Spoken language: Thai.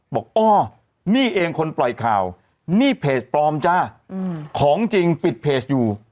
อ้อนี่เองคนปล่อยข่าวนี่เพจปลอมจ้าของจริงปิดเพจอยู่